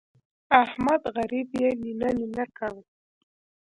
احمد غريب يې نينه نينه کړ.